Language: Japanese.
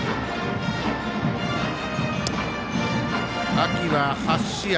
秋は８試合。